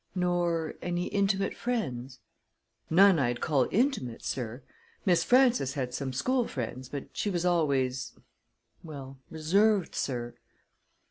"Nor any intimate friends?" "None I'd call intimate, sir; Miss Frances had some school friends, but she was always well reserved, sir."